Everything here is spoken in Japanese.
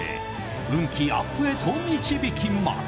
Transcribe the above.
運気アップへと導きます。